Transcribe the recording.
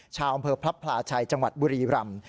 ชาวอำเภอพระพลาชัยจังหวัดบุรีรำ